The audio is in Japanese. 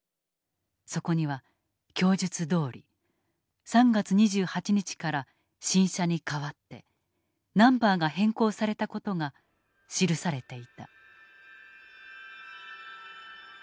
そこには供述どおり３月２８日から新車に替わってナンバーが変更された事が記されていた。